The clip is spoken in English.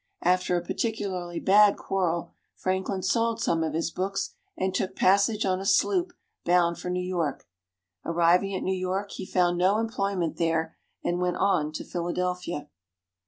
After a particularly bad quarrel, Franklin sold some of his books, and took passage on a sloop bound for New York. Arriving at New York, he found no employment there, and went on to Philadelphia.